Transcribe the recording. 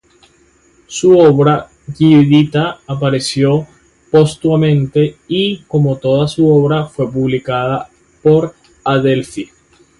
Su obra "Giuditta" apareció póstumamente; y, como toda su obra, fue publicada por Adelphi.